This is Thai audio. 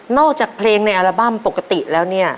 จากเพลงในอัลบั้มปกติแล้วเนี่ย